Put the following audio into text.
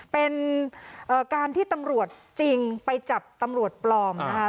เป็นการที่ตำรวจจริงไปจับตำรวจปลอมนะคะ